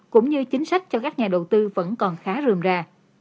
cũng như chính sách cho các nhà đầu tư vẫn còn khá rượm ra